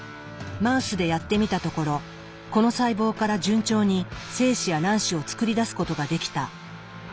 マウスでやってみたところこの細胞から順調に精子や卵子を作り出すことができた。